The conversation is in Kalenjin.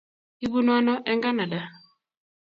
Ibunu ano eng' Kanada?